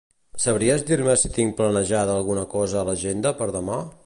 Sabries dir-me si tinc planejada alguna cosa a l'agenda per demà?